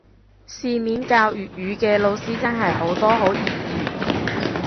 市面教粵語嘅老師真係好多好業餘